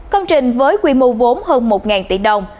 công trình với quy mô vốn hơn một tỷ đồng